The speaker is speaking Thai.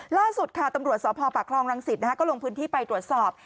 ล่าสุดค่ะตำรวจสพปากคลองรังสิตก็ลงพื้นที่ไปตรวจสอบ